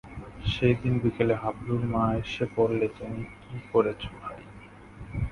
সেইদিন বিকেলে হাবলুর মা এসে বললে, তুমি করেছ কী ভাই?